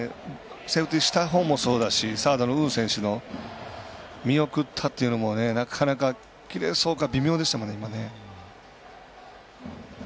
セーフティーしたほうもそうだし、サードの呉選手もなかなか、切れそうか微妙でしたもんね、今。